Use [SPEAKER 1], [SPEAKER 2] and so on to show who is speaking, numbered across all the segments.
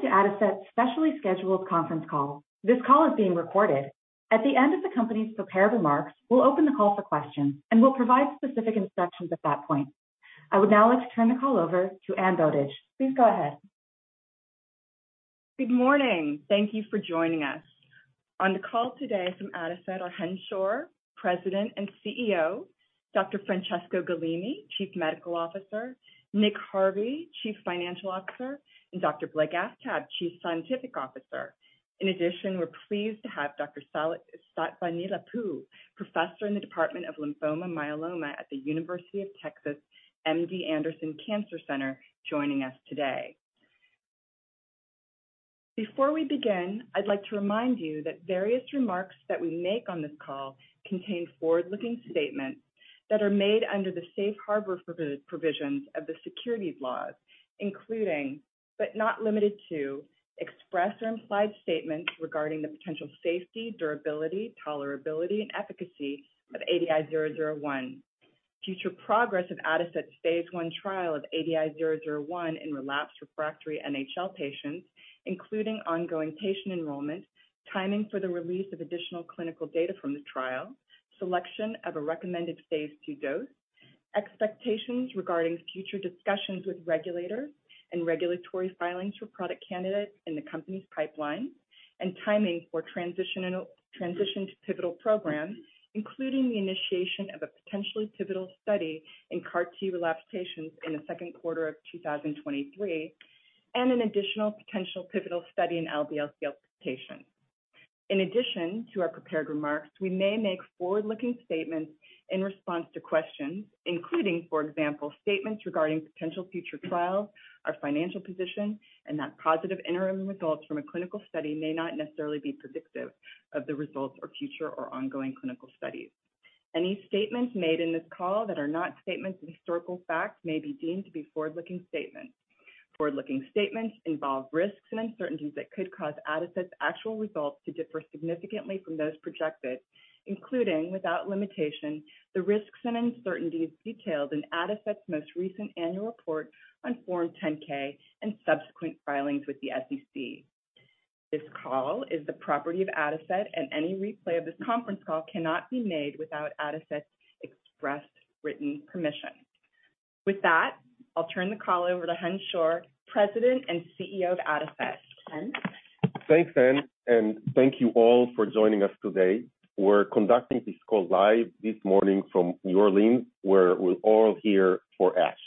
[SPEAKER 1] Welcome to Adicet's specially scheduled conference call. This call is being recorded. At the end of the company's prepared remarks, we'll open the call for questions. We'll provide specific instructions at that point. I would now like to turn the call over to Anne Bowdidge. Please go ahead.
[SPEAKER 2] Good morning. Thank you for joining us. On the call today from Adicet are Chen Schor, President and CEO; Dr. Francesco Galimi, Chief Medical Officer; Nick Harvey, Chief Financial Officer; and Dr. Blake Aftab, Chief Scientific Officer. In addition, we're pleased to have Dr. Sattva Neelapu, Professor in the Department of Lymphoma/Myeloma at the University of Texas MD Anderson Cancer Center, joining us today. Before we begin, I'd like to remind you that various remarks that we make on this call contain forward-looking statements that are made under the Safe Harbor provisions of the securities laws, including, but not limited to, express or implied statements regarding the potential safety, durability, tolerability, and efficacy of ADI-001. Future progress of Adicet's phase I trial of ADI-001 in relapsed refractory NHL patients, including ongoing patient enrollment, timing for the release of additional clinical data from the trial, selection of a recommended phase II dose, expectations regarding future discussions with regulators and regulatory filings for product candidates in the company's pipeline, and timing for transition to pivotal programs, including the initiation of a potentially pivotal study in CAR T relapse patients in the second quarter of 2023, and an additional potential pivotal study in LBCL patients. In addition to our prepared remarks, we may make forward-looking statements in response to questions, including, for example, statements regarding potential future trials, our financial position, and that positive interim results from a clinical study may not necessarily be predictive of the results of future or ongoing clinical studies. Any statements made in this call that are not statements of historical fact may be deemed to be forward-looking statements. Forward-looking statements involve risks and uncertainties that could cause Adicet's actual results to differ significantly from those projected, including, without limitation, the risks and uncertainties detailed in Adicet's most recent annual report on Form 10-K and subsequent filings with the SEC. This call is the property of Adicet, and any replay of this conference call cannot be made without Adicet's expressed written permission. With that, I'll turn the call over to Chen Schor, President and CEO of Adicet. Chen?
[SPEAKER 3] Thanks, Anne. Thank you all for joining us today. We're conducting this call live this morning from New Orleans, where we're all here for ASH.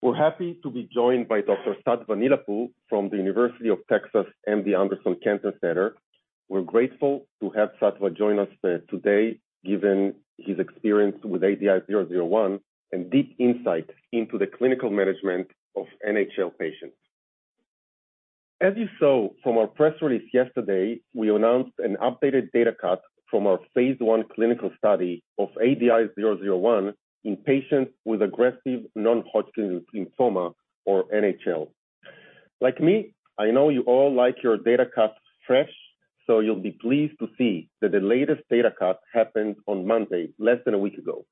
[SPEAKER 3] We're happy to be joined by Dr. Sattva Neelapu from the University of Texas MD Anderson Cancer Center. We're grateful to have Sattva join us today, given his experience with ADI-001 and deep insight into the clinical management of NHL patients. As you saw from our press release yesterday, we announced an updated data cut from our phase I clinical study of ADI-001 in patients with aggressive non-Hodgkin's lymphoma or NHL. Like me, I know you all like your data cuts fresh, so you'll be pleased to see that the latest data cut happened on Monday, less than a week ago.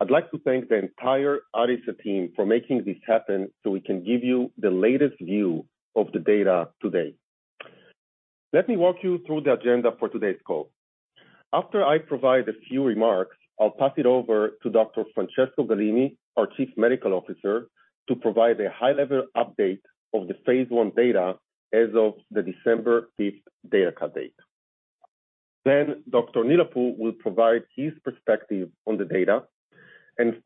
[SPEAKER 3] I'd like to thank the entire Adicet team for making this happen so we can give you the latest view of the data today. Let me walk you through the agenda for today's call. After I provide a few remarks, I'll pass it over to Dr. Francesco Galimi, our Chief Medical Officer, to provide a high-level update of the phase I data as of the December fifth data cut date. Dr. Neelapu will provide his perspective on the data.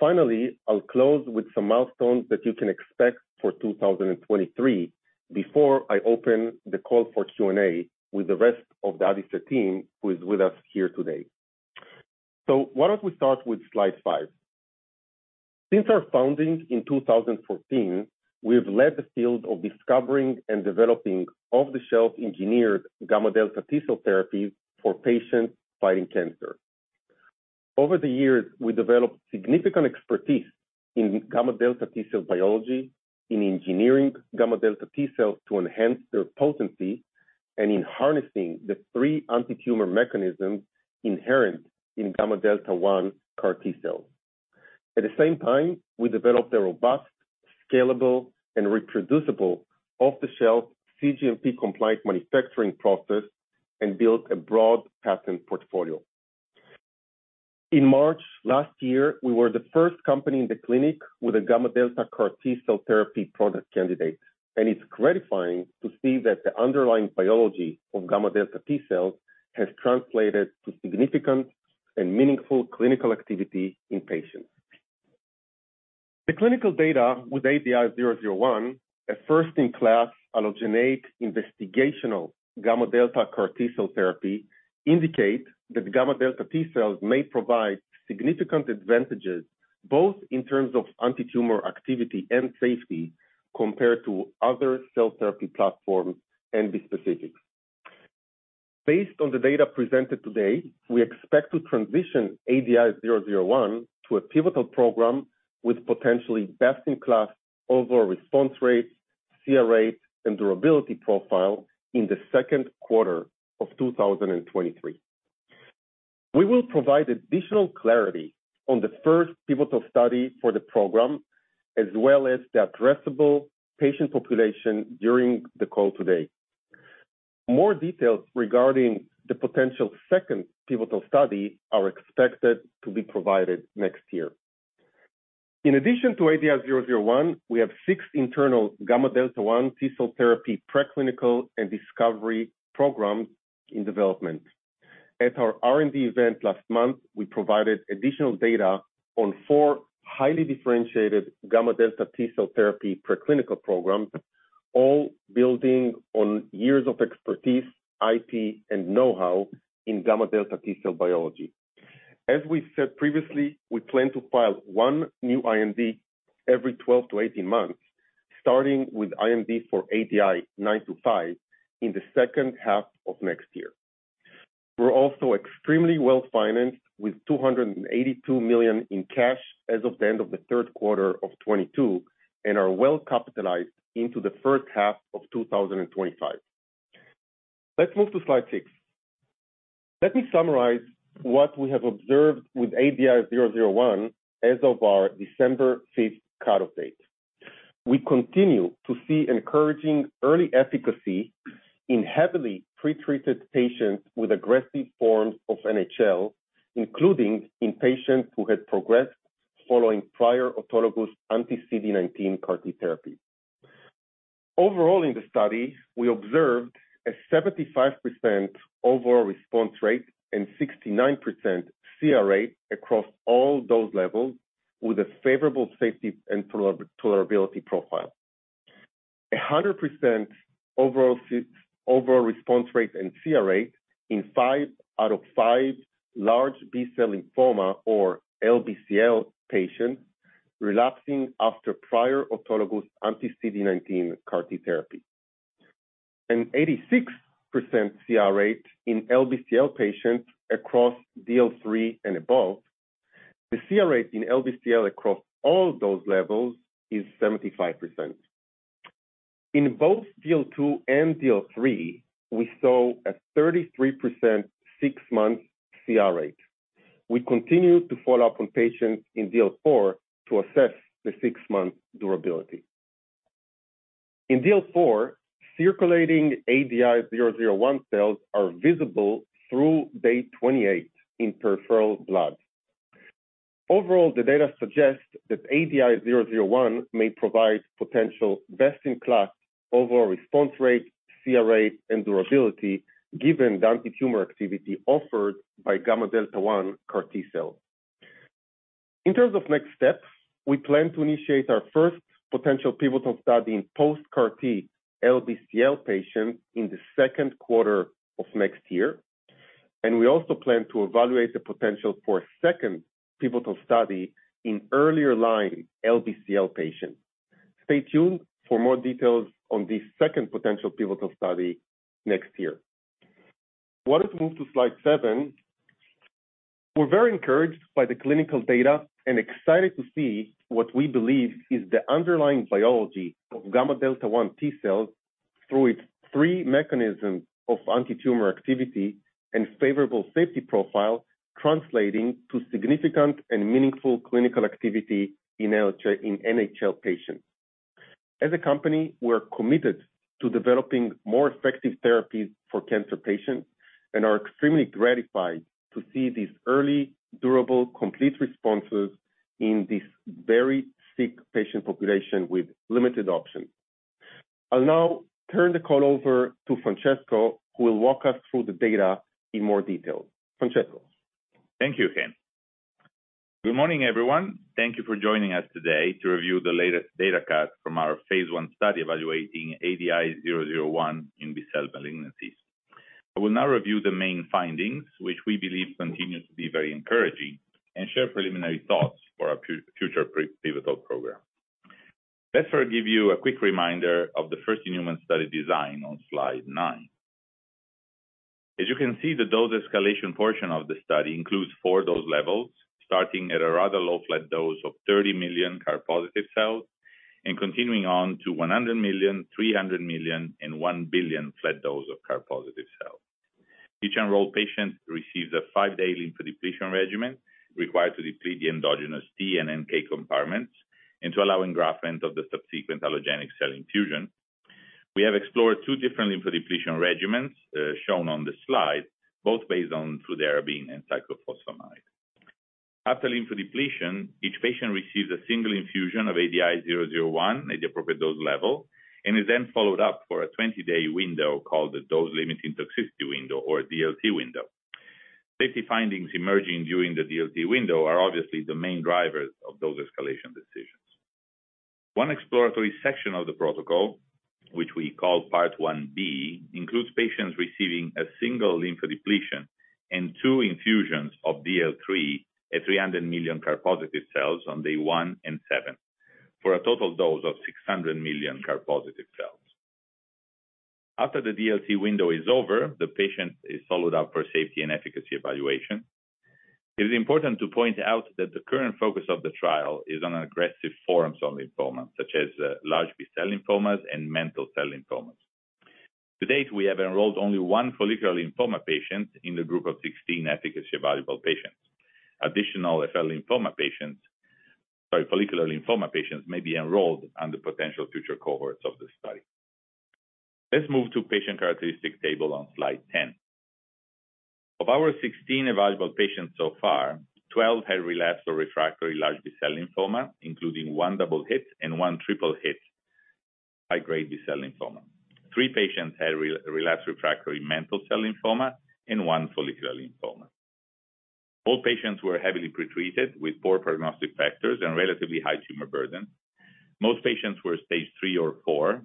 [SPEAKER 3] Finally, I'll close with some milestones that you can expect for 2023 before I open the call for Q&A with the rest of the Adicet team who is with us here today. Why don't we start with slide five? Since our founding in 2014, we have led the field of discovering and developing off-the-shelf engineered gamma delta T-cell therapies for patients fighting cancer. Over the years, we developed significant expertise in gamma delta T-cell biology, in engineering gamma delta T-cells to enhance their potency, and in harnessing the three antitumor mechanisms inherent in gamma delta 1 CAR T-cells. At the same time, we developed a robust, scalable, and reproducible off-the-shelf cGMP compliant manufacturing process and built a broad patent portfolio. In March last year, we were the first company in the clinic with a gamma delta CAR T-cell therapy product candidate, and it's gratifying to see that the underlying biology of gamma delta T-cells has translated to significant and meaningful clinical activity in patients. The clinical data with ADI-001, a first-in-class allogeneic investigational gamma delta CAR T-cell therapy, indicate that gamma delta T-cells may provide significant advantages both in terms of antitumor activity and safety compared to other cell therapy platforms and bispecifics. Based on the data presented today, we expect to transition ADI-001 to a pivotal program with potentially best-in-class overall response rates, CR rate, and durability profile in the second quarter of 2023. We will provide additional clarity on the first pivotal study for the program, as well as the addressable patient population during the call today. More details regarding the potential second pivotal study are expected to be provided next year. In addition to ADI-001, we have six internal gamma delta 1 T-cell therapy preclinical and discovery programs in development. At our R&D event last month, we provided additional data on four highly differentiated gamma delta T-cell therapy preclinical programs, all building on years of expertise, IP, and know-how in gamma delta T-cell biology. As we said previously, we plan to file one new IND every 12-18 months, starting with IND for ADI-925 in the second half of next year. We're also extremely well-financed, with $282 million in cash as of the end of the third quarter of 2022, and are well capitalized into the first half of 2025. Let's move to slide six. Let me summarize what we have observed with ADI-001 as of our December fifth cut-off date. We continue to see encouraging early efficacy in heavily pre-treated patients with aggressive forms of NHL, including in patients who had progressed following prior autologous anti-CD19 CAR T therapy. Overall in the study, we observed a 75% overall response rate and 69% CR rate across all dose levels with a favorable safety and tolerability profile. A 100% overall response rate and CR rate in five out of five large B-cell lymphoma or LBCL patients relapsing after prior autologous anti-CD19 CAR T therapy. An 86% CR rate in LBCL patients across DL3 and above. The CR rate in LBCL across all dose levels is 75%. In both DL2 and DL3, we saw a 33% 6-month CR rate. We continue to follow-up on patients in DL4 to assess the six-month durability. In DL4, circulating ADI-001 cells are visible through day 28 in peripheral blood. Overall, the data suggests that ADI-001 may provide potential best-in-class overall response rate, CR rate, and durability given the antitumor activity offered by gamma delta 1 CAR T-cell. In terms of next steps, we plan to initiate our first potential pivotal study in post-CAR T LBCL patients in the second quarter of next year. We also plan to evaluate the potential for a second pivotal study in earlier line LBCL patients. Stay tuned for more details on this second potential pivotal study next year. Why don't we move to slide seven? We're very encouraged by the clinical data and excited to see what we believe is the underlying biology of gamma delta T-cells through its three mechanisms of antitumor activity and favorable safety profile translating to significant and meaningful clinical activity in NHL patients. As a company, we're committed to developing more effective therapies for cancer patients and are extremely gratified to see these early durable, complete responses in this very sick patient population with limited options. I'll now turn the call over to Francesco, who will walk us through the data in more detail. Francesco.
[SPEAKER 4] Thank you, Chen. Good morning, everyone. Thank you for joining us today to review the latest data cut from our phase I study evaluating ADI-001 in B-cell malignancies. I will now review the main findings, which we believe continue to be very encouraging, and share preliminary thoughts for our future pivotal program. Let me give you a quick reminder of the first human study design on slide nine. As you can see, the dose escalation portion of the study includes four dose levels, starting at a rather low flat dose of 30 million CAR-positive cells and continuing on to 100 million, 300 million, and 1 billion flat dose of CAR-positive cells. Each enrolled patient receives a five-day lymphodepletion regimen required to deplete the endogenous T and NK compartments and to allow engraftment of the subsequent allogeneic cell infusion. We have explored two different lymphodepletion regimens, shown on the slide, both based on fludarabine and cyclophosphamide. After lymphodepletion, each patient receives a single infusion of ADI-001 at the appropriate dose level and is then followed up for a 20-day window called the dose limiting toxicity window or DLT window. Safety findings emerging during the DLT window are obviously the main drivers of dose escalation decisions. One exploratory section of the protocol, which we call part 1b, includes patients receiving a single lymphodepletion and two infusions of DL3 at 300 million CAR positive cells on day one and seven, for a total dose of 600 million CAR positive cells. After the DLT window is over, the patient is followed up for safety and efficacy evaluation. It is important to point out that the current focus of the trial is on aggressive forms of lymphoma, such as large B-cell lymphomas and mantle cell lymphomas. To date, we have enrolled only one follicular lymphoma patient in the group of 16 efficacy evaluable patients. Additional follicular lymphoma patients may be enrolled on the potential future cohorts of this study. Let's move to patient characteristic table on slide 10. Of our 16 evaluable patients so far, 12 had relapsed or refractory large B-cell lymphoma, including one double-hit and one triple-hit high-grade B-cell lymphoma. Three patients had re-relapsed refractory mantle cell lymphoma and one follicular lymphoma. All patients were heavily pretreated with poor prognostic factors and relatively high tumor burden. Most patients were stage three or four.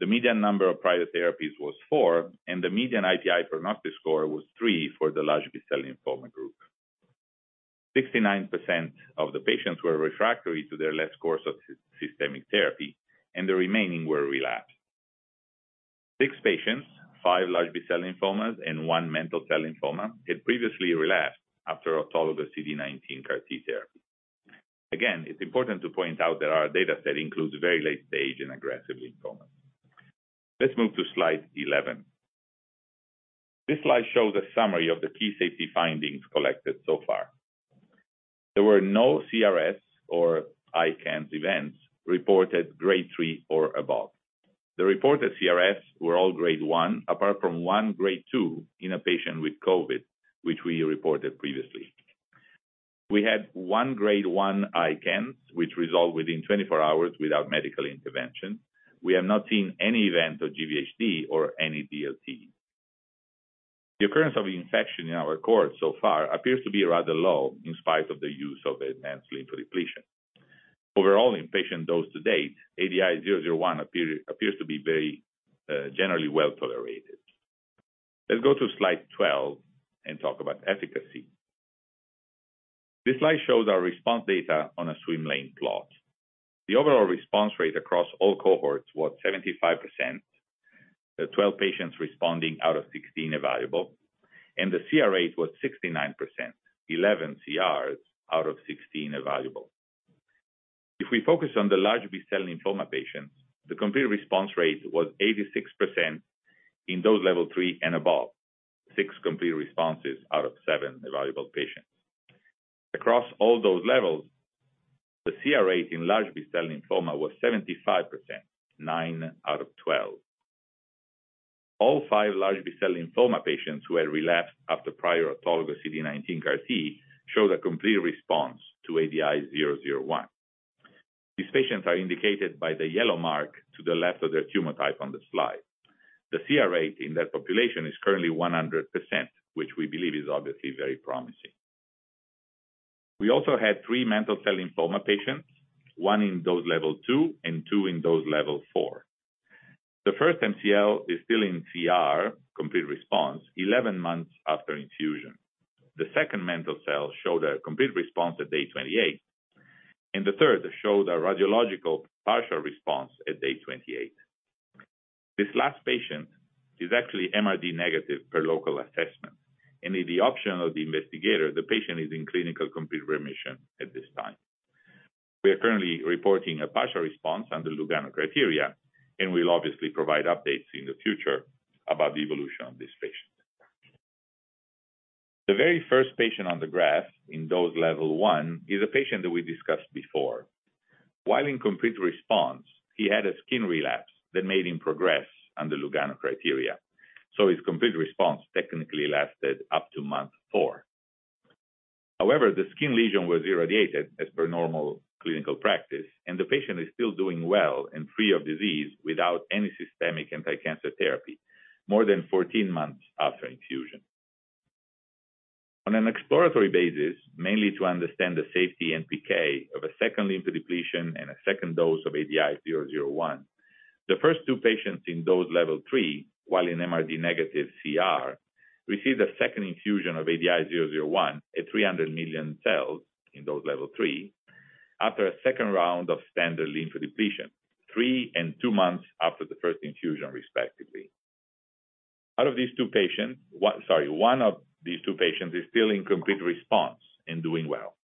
[SPEAKER 4] The median number of prior therapies was four, and the median IPI prognostic score was three for the large B-cell lymphoma group. 69% of the patients were refractory to their last course of systemic therapy, and the remaining were relapsed. Six patients, five large B-cell lymphomas and one mantle cell lymphoma, had previously relapsed after autologous CD19 CAR T therapy. Again, it's important to point out that our data set includes very late stage and aggressive lymphoma. Let's move to slide 11. This slide shows a summary of the key safety findings collected so far. There were no CRS or ICANS events reported grade three or above. The reported CRS were all grade one, apart from one grade two in a patient with COVID, which we reported previously. We had one grade one ICANS, which resolved within 24 hours without medical intervention. We have not seen any event of GvHD or any DLT. The occurrence of infection in our cohort so far appears to be rather low in spite of the use of enhanced lymphodepletion. Overall, in patient dose to date, ADI-001 appears to be very generally well-tolerated. Let's go to slide 12 and talk about efficacy. This slide shows our response data on a swim lane plot. The overall response rate across all cohorts was 75%. The 12 patients responding out of 16 evaluable, and the CR rate was 69%, 11 CRs out of 16 evaluable. If we focus on the large B-cell lymphoma patients, the complete response rate was 86% in those level three and above, six complete responses out of seven evaluable patients. Across all those levels, the CR rate in large B-cell lymphoma was 75%, nine out of 12. All five large B-cell lymphoma patients who had relapsed after prior autologous CD19 CAR T showed a complete response to ADI-001. These patients are indicated by the yellow mark to the left of their tumor type on the slide. The CR rate in that population is currently 100%, which we believe is obviously very promising. We also had three mantle cell lymphoma patients, one in dose level two and two in dose level four. The first MCL is still in CR, complete response, 11 months after infusion. The second mantle cell showed a complete response at day 28, and the third showed a radiological partial response at day 28. This last patient is actually MRD negative per local assessment. At the option of the investigator, the patient is in clinical complete remission at this time. We are currently reporting a partial response on the Lugano criteria, and we'll obviously provide updates in the future about the evolution of this patient. The very first patient on the graph in dose level one is a patient that we discussed before. While in complete response, he had a skin relapse that made him progress on the Lugano criteria, so his complete response technically lasted up to month four. However, the skin lesion was irradiated as per normal clinical practice, and the patient is still doing well and free of disease without any systemic anticancer therapy, more than 14 months after infusion. On an exploratory basis, mainly to understand the safety and PK of a second lymphodepletion and a second dose of ADI-001, the first two patients in dose level three, while in MRD negative CR, received a second infusion of ADI-001 at 300 million cells in dose level three after a second round of standard lymphodepletion, three and two months after the first infusion, respectively. Out of these two patients, Sorry, one of these two patients is still in complete response and doing well.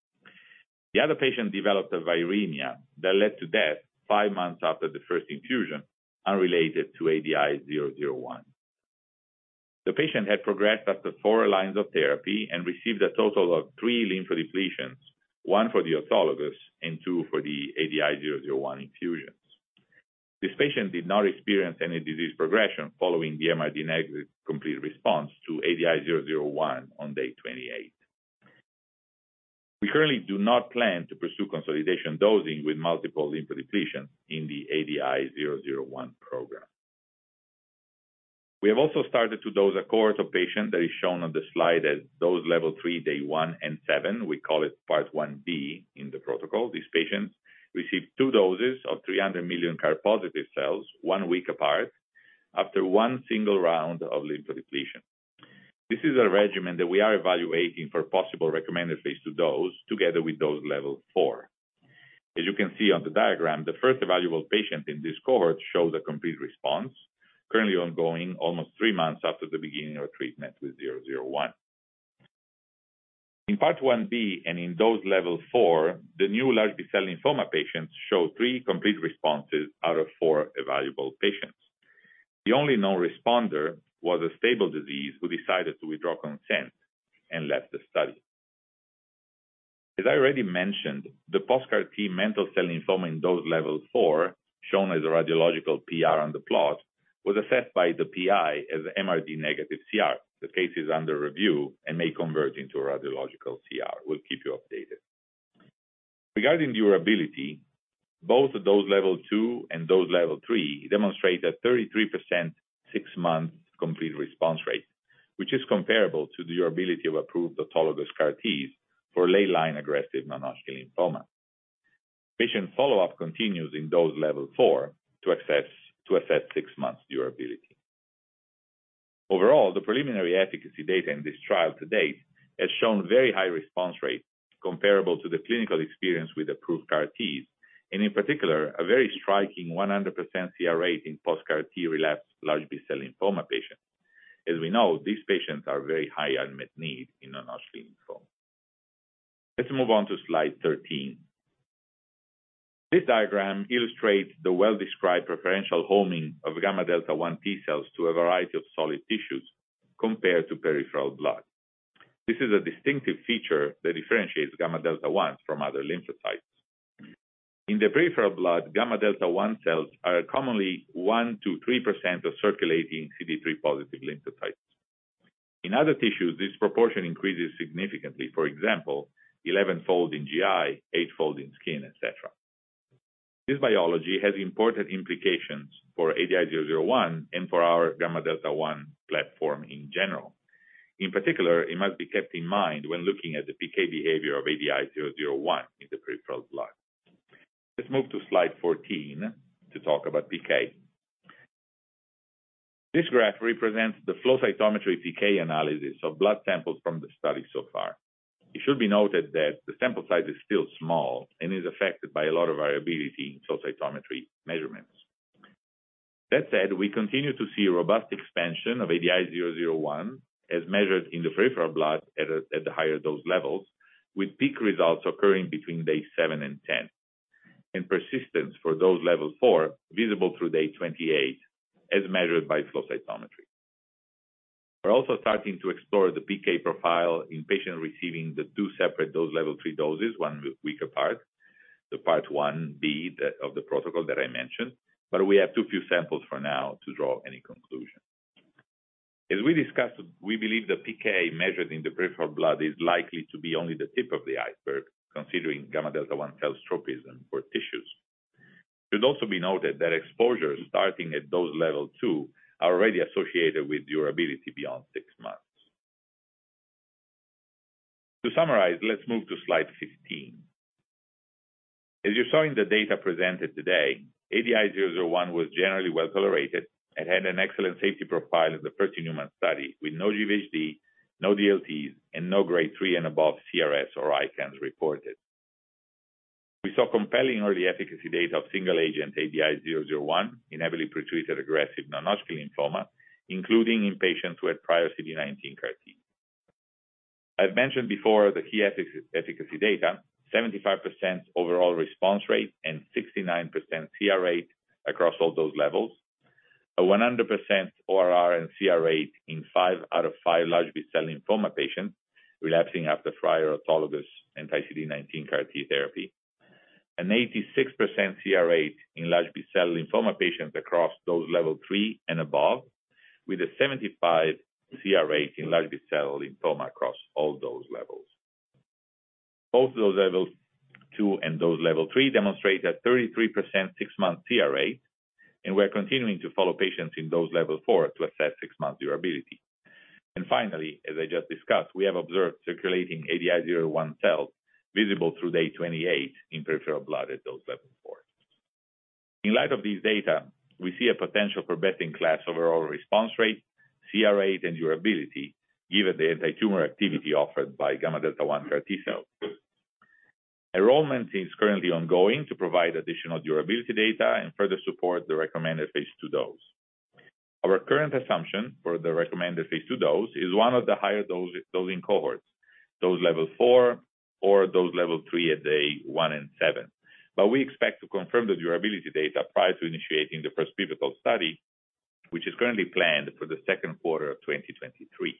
[SPEAKER 4] The other patient developed a viremia that led to death five months after the first infusion, unrelated to ADI-001. The patient had progressed after four lines of therapy and received a total of three lymphodepletions, one for the autologous and two for the ADI-001 infusions. This patient did not experience any disease progression following the MRD negative complete response to ADI-001 on day 28. We currently do not plan to pursue consolidation dosing with multiple lymphodepletions in the ADI-001 program. We have also started to dose a cohort of patients that is shown on the slide as dose level three, day one and seven. We call it part 1b in the protocol. These patients received two doses of 300 million CAR positive cells one week apart after one single round of lymphodepletion. This is a regimen that we are evaluating for possible recommended phase II dose together with dose level four. As you can see on the diagram, the first evaluable patient in this cohort shows a complete response currently ongoing almost three months after the beginning of treatment with 001. In part 1b and in dose level four, the new large B-cell lymphoma patients show three complete responses out of four evaluable patients. The only non-responder was a stable disease who decided to withdraw consent and left the study. As I already mentioned, the post-CAR T mantle cell lymphoma in dose level four, shown as a radiological PR on the plot, was assessed by the PI as MRD negative CR. The case is under review and may convert into a radiological CR. We'll keep you updated. Regarding durability, both dose level two and dose level three demonstrate a 33% six-month complete response rate, which is comparable to durability of approved autologous CAR T's for late-line aggressive non-Hodgkin lymphoma. Patient follow-up continues in dose level four to assess six months durability. The preliminary efficacy data in this trial to date has shown very high response rates comparable to the clinical experience with approved CAR Ts, and in particular, a very striking 100% CR rate in post-CAR T relapsed large B-cell lymphoma patients. These patients are very high unmet need in non-Hodgkin lymphoma. Let's move on to slide 13. This diagram illustrates the well-described preferential homing of gamma delta 1 T-cells to a variety of solid tissues compared to peripheral blood. This is a distinctive feature that differentiates gamma delta 1 from other lymphocytes. In the peripheral blood, gamma delta 1 cells are commonly 1%-3% of circulating CD3 positive lymphocytes. In other tissues, this proportion increases significantly. For example, 11-fold in GI, 8-fold in skin, et cetera. This biology has important implications for ADI-001 and for our gamma delta 1 platform in general. In particular, it must be kept in mind when looking at the PK behavior of ADI-001 in the peripheral blood. Let's move to slide 14 to talk about PK. This graph represents the flow cytometry PK analysis of blood samples from the study so far. It should be noted that the sample size is still small and is affected by a lot of variability in flow cytometry measurements. That said, we continue to see robust expansion of ADI-001 as measured in the peripheral blood at the higher dose levels, with peak results occurring between day seven and 10, and persistence for dose level four visible through day 28 as measured by flow cytometry. We're also starting to explore the PK profile in patients receiving the two separate dose level three doses one week apart, the part 1b of the protocol that I mentioned. We have too few samples for now to draw any conclusion. As we discussed, we believe the PK measured in the peripheral blood is likely to be only the tip of the iceberg, considering gamma delta 1 cell's tropism for tissues. It should also be noted that exposures starting at dose level two are already associated with durability beyond six months. To summarize, let's move to slide 15. As you saw in the data presented today, ADI-001 was generally well tolerated and had an excellent safety profile in the first human study with no GvHD, no DLTs, and no grade three and above CRS or ICANS reported. We saw compelling early efficacy data of single agent ADI-001 in heavily pretreated aggressive non-Hodgkin lymphoma, including in patients who had prior CD19 CAR T. I've mentioned before the key efficacy data, 75% overall response rate and 69% CR rate across all dose levels. A 100% ORR and CR rate in five out of five large B-cell lymphoma patients relapsing after prior autologous anti-CD19 CAR T therapy. An 86% CR rate in large B-cell lymphoma patients across dose level three and above, with a 75% CR rate in large B-cell lymphoma across all dose levels. Both dose levels two and dose level three demonstrate a 33% six-month CR rate, and we're continuing to follow patients in dose level four to assess six-month durability. Finally, as I just discussed, we have observed circulating ADI-001 cells visible through day 28 in peripheral blood at dose level four. In light of these data, we see a potential for best-in-class ORR, CR, and durability given the antitumor activity offered by gamma delta 1 CAR T-cells. Enrollment is currently ongoing to provide additional durability data and further support the recommended phase II dose. Our current assumption for the recommended phase II dose is one of the higher dose in cohorts, dose level four or dose level three at day one and seven. We expect to confirm the durability data prior to initiating the first pivotal study, which is currently planned for the second quarter of 2023.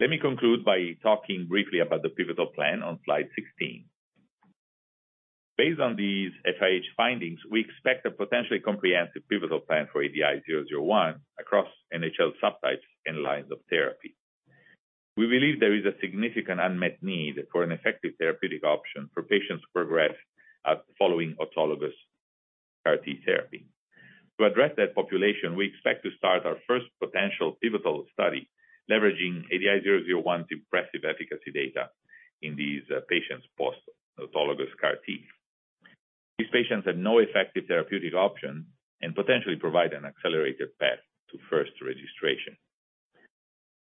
[SPEAKER 4] Let me conclude by talking briefly about the pivotal plan on slide 16. Based on these FIH findings, we expect a potentially comprehensive pivotal plan for ADI-001 across NHL subtypes and lines of therapy. We believe there is a significant unmet need for an effective therapeutic option for patients who progress at following autologous CAR T therapy. To address that population, we expect to start our first potential pivotal study leveraging ADI-001's impressive efficacy data in these patients post autologous CAR T. These patients have no effective therapeutic option and potentially provide an accelerated path to first registration.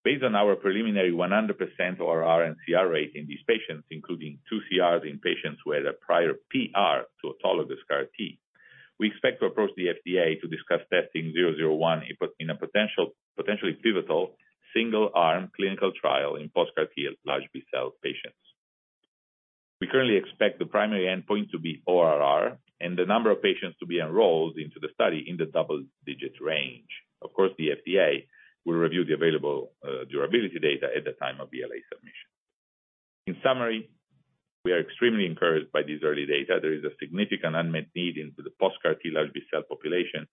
[SPEAKER 4] Based on our preliminary 100% ORR and CR rate in these patients, including two CRs in patients who had a prior PR to autologous CAR T, we expect to approach the FDA to discuss testing 001 in a potentially pivotal single-arm clinical trial in post-CAR T large B-cell patients. We currently expect the primary endpoint to be ORR and the number of patients to be enrolled into the study in the double-digit range. Of course, the FDA will review the available durability data at the time of BLA submission. In summary, we are extremely encouraged by these early data. There is a significant unmet need into the post-CAR T large B-cell population,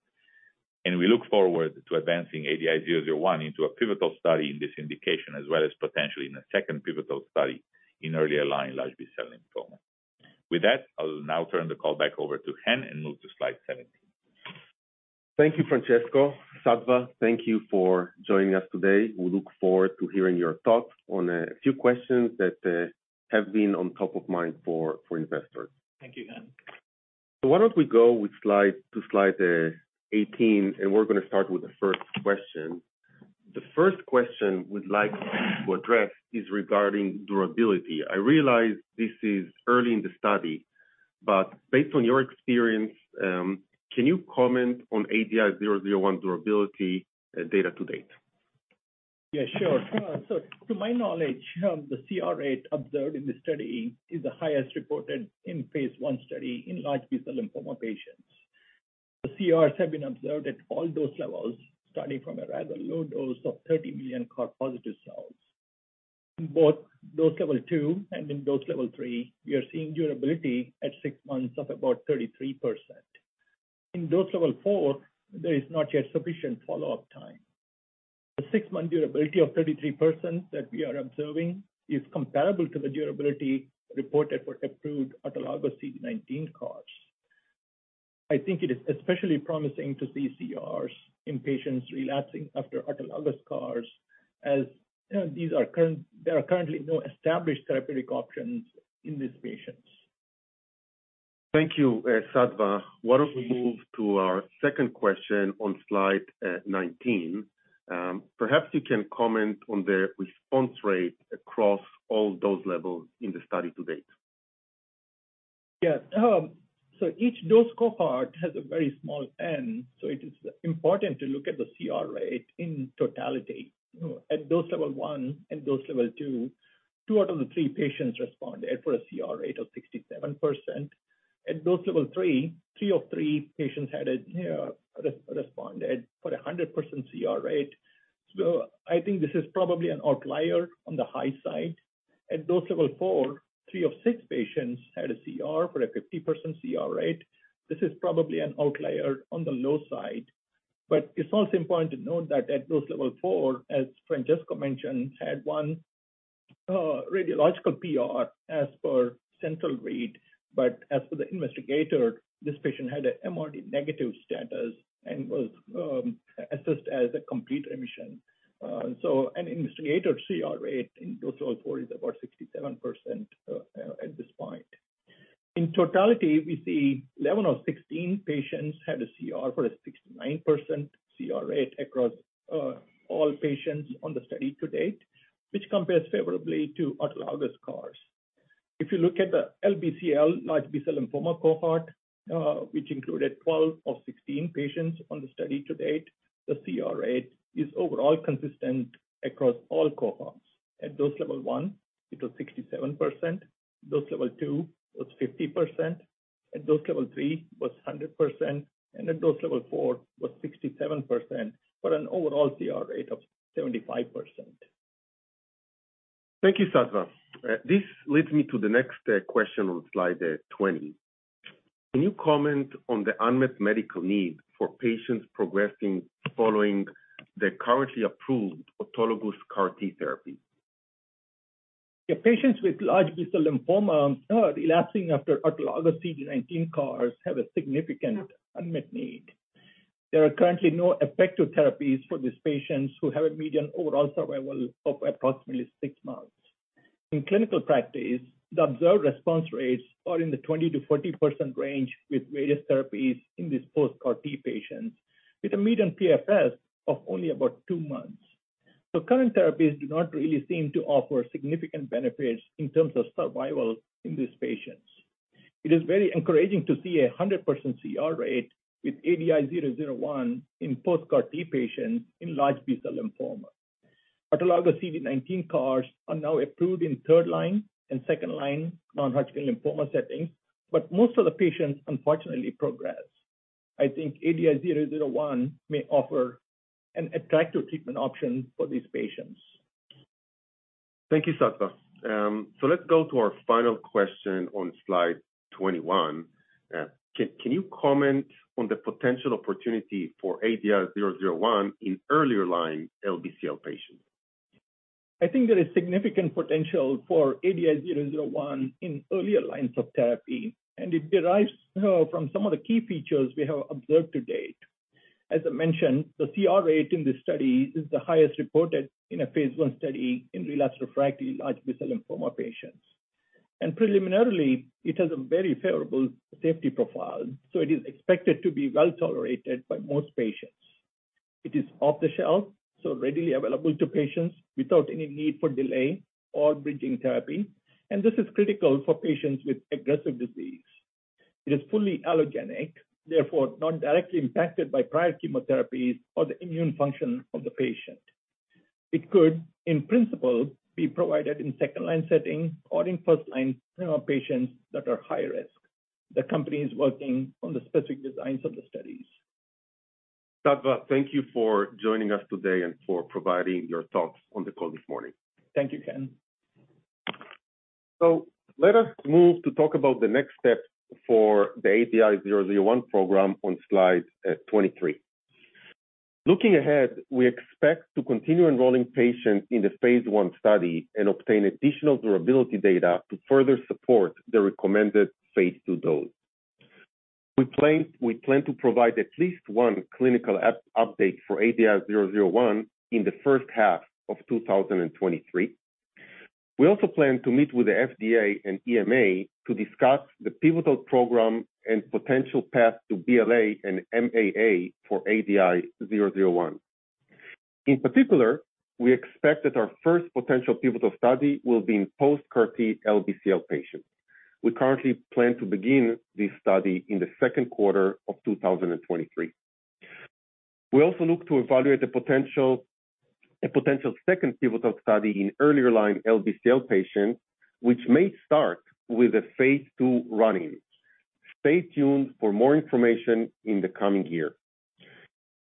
[SPEAKER 4] and we look forward to advancing ADI-001 into a pivotal study in this indication, as well as potentially in a second pivotal study in earlier line large B-cell lymphoma. With that, I'll now turn the call back over to Chen and move to slide 17.
[SPEAKER 3] Thank you, Francesco. Sattva, thank you for joining us today. We look forward to hearing your thoughts on a few questions that have been on top of mind for investors.
[SPEAKER 5] Thank you, Chen.
[SPEAKER 3] Why don't we go with slide to slide 18. We're gonna start with the first question. The first question we'd like to address is regarding durability. I realize this is early in the study, but based on your experience, can you comment on ADI-001 durability data to date?
[SPEAKER 5] Yeah, sure. to my knowledge, the CR rate observed in the study is the highest reported in phase I study in large B-cell lymphoma patients. The CRs have been observed at all dose levels, starting from a rather low dose of 30 million CAR-positive cells. In both dose level two and in dose level three, we are seeing durability at six months of about 33%. In dose level four, there is not yet sufficient follow-up time. The six-month durability of 33% that we are observing is comparable to the durability reported for approved autologous CD19 CARs. I think it is especially promising to see CRs in patients relapsing after autologous CARs as there are currently no established therapeutic options in these patients.
[SPEAKER 3] Thank you, Sattva. Why don't we move to our second question on slide 19? Perhaps you can comment on the response rate across all dose levels in the study to date.
[SPEAKER 5] Yes. Each dose cohort has a very small N, so it is important to look at the CR rate in totality. You know, at dose level one and dose level two out of the three patients responded for a CR rate of 67%. At dose level three of three patients had a, you know, responded for a 100% CR rate, so I think this is probably an outlier on the high side. At dose level four, three of six patients had a CR for a 50% CR rate. This is probably an outlier on the low side. It's also important to note that at dose level four, as Francesco mentioned, had one, radiological PR as per central read, but as for the investigator, this patient had a MRD negative status and was assessed as a complete remission. An investigator CR rate in dose level four is about 67% at this point. In totality, we see 11 of 16 patients had a CR for a 69% CR rate across all patients on the study to date, which compares favorably to autologous CARs. If you look at the LBCL, large B-cell lymphoma cohort, which included 12 of 16 patients on the study to date, the CR rate is overall consistent across all cohorts. At dose level one, it was 67%. Dose level two, it was 50%. At dose level three, it was 100%. At dose level four, it was 67%, for an overall CR rate of 75%.
[SPEAKER 3] Thank you, Sattva. This leads me to the next question on slide 20. Can you comment on the unmet medical need for patients progressing following the currently approved autologous CAR T therapy?
[SPEAKER 5] Patients with large B-cell lymphoma, relapsing after autologous CD19 CARs have a significant unmet need. There are currently no effective therapies for these patients who have a median overall survival of approximately six months. In clinical practice, the observed response rates are in the 20%-40% range with various therapies in these post-CAR T patients, with a median PFS of only about two months. Current therapies do not really seem to offer significant benefits in terms of survival in these patients. It is very encouraging to see a 100% CR rate with ADI-001 in post-CAR T patients in large B-cell lymphoma. Autologous CD19 CARs are now approved in third line and second line non-Hodgkin lymphoma settings, most of the patients unfortunately progress. I think ADI-001 may offer an attractive treatment option for these patients.
[SPEAKER 3] Thank you, Sattva. let's go to our final question on slide 21. can you comment on the potential opportunity for ADI-001 in earlier line LBCL patients?
[SPEAKER 5] I think there is significant potential for ADI-001 in earlier lines of therapy, and it derives from some of the key features we have observed to date. As I mentioned, the CR rate in this study is the highest reported in a phase I study in relapsed/refractory large B-cell lymphoma patients. Preliminarily, it has a very favorable safety profile. It is expected to be well-tolerated by most patients. It is off the shelf. Readily available to patients without any need for delay or bridging therapy. This is critical for patients with aggressive disease. It is fully allogeneic, therefore not directly impacted by prior chemotherapies or the immune function of the patient. It could, in principle, be provided in second-line setting or in first-line, you know, patients that are high risk. The company is working on the specific designs of the studies.
[SPEAKER 3] Sattva, thank you for joining us today and for providing your thoughts on the call this morning.
[SPEAKER 5] Thank you, Chen.
[SPEAKER 3] Let us move to talk about the next step for the ADI-001 program on slide 23. Looking ahead, we expect to continue enrolling patients in the phase I study and obtain additional durability data to further support the recommended phase II dose. We plan to provide at least one clinical update for ADI-001 in the first half of 2023. We also plan to meet with the FDA and EMA to discuss the pivotal program and potential path to BLA and MAA for ADI-001. In particular, we expect that our first potential pivotal study will be in post-CAR T LBCL patients. We currently plan to begin this study in the second quarter of 2023. We also look to evaluate a potential second pivotal study in earlier line LBCL patients, which may start with a phase II running. Stay tuned for more information in the coming year.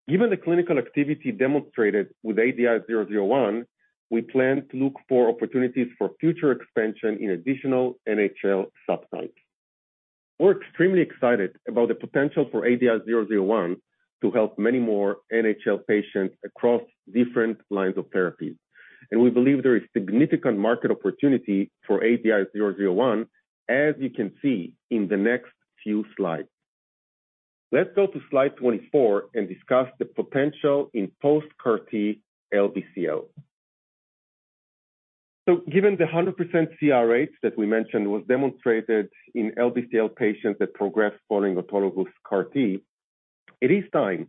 [SPEAKER 3] Given the clinical activity demonstrated with ADI-001, we plan to look for opportunities for future expansion in additional NHL subtypes. We're extremely excited about the potential for ADI-001 to help many more NHL patients across different lines of therapies, and we believe there is significant market opportunity for ADI-001, as you can see in the next few slides. Let's go to slide 24 and discuss the potential in post-CAR T LBCL. Given the 100% CR rate that we mentioned was demonstrated in LBCL patients that progressed following autologous CAR T, it is time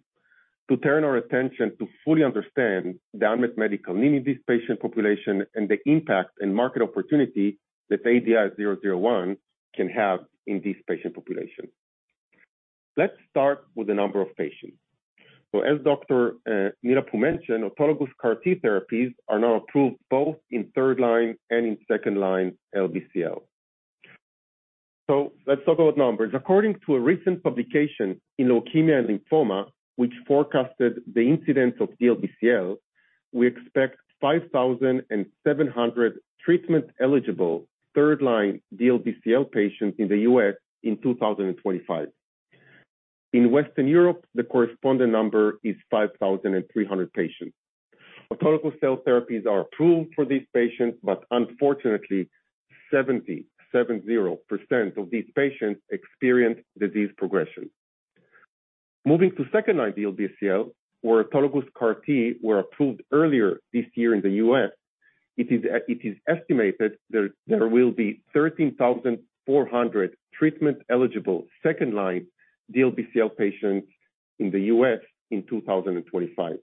[SPEAKER 3] to turn our attention to fully understand the unmet medical need in this patient population and the impact and market opportunity that ADI-001 can have in this patient population. Let's start with the number of patients. As Dr. Neelapu mentioned, autologous CAR T therapies are now approved both in third line and in second line LBCL. Let's talk about numbers. According to a recent publication in Leukemia & Lymphoma, which forecasted the incidence of DLBCL, we expect 5,700 treatment-eligible third-line DLBCL patients in the U.S. in 2025. In Western Europe, the corresponding number is 5,300 patients. Autologous cell therapies are approved for these patients. Unfortunately, 70% of these patients experience disease progression. Moving to second-line DLBCL where autologous CAR T were approved earlier this year in the U.S., it is estimated there will be 13,400 treatment-eligible second-line DLBCL patients in the U.S. in 2025.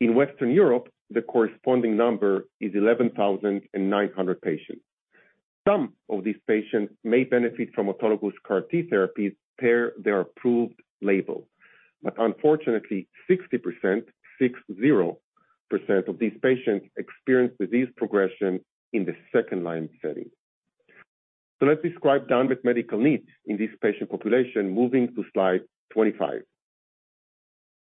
[SPEAKER 3] In Western Europe, the corresponding number is 11,900 patients. Some of these patients may benefit from autologous CAR T therapies per their approved label. Unfortunately, 60% of these patients experience disease progression in the second-line setting. Let's describe the unmet medical need in this patient population, moving to slide 25.